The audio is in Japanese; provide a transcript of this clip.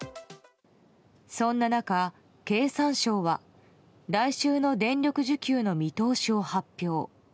そんな中、経産省は来週の電力需給の見通しを発表。